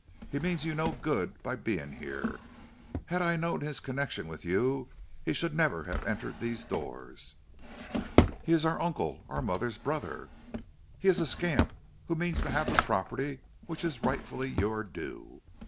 He means you no good by being here. Had I known his connection with you, he should never have entered these doors." "He is our uncle; our mother's brother." "He is a scamp who means to have the property which is rightfully your due."